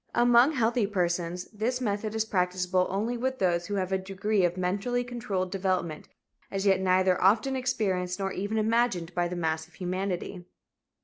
Among healthy persons, this method is practicable only with those who have a degree of mentally controlled development as yet neither often experienced nor even imagined by the mass of humanity.